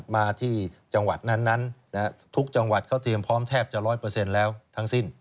มาที่จังหวัดนั้นทุกจังหวัดเขาเตรียมพร้อมแทบจะ๑๐๐แล้วทั้งสิ้น